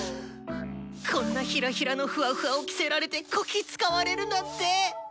こんなヒラヒラのふわふわを着せられてこき使われるなんて。